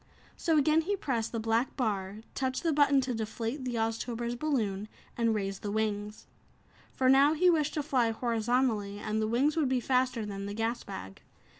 So again he pressed the black bar, touched the button to deflate the Oztober's balloon and raise the wings. For now he wished to fly horizontally, and the wings would be faster than the gas bag.